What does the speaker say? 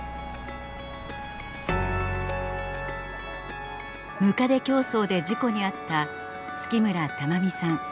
むかで競走で事故に遭った月村珠実さん。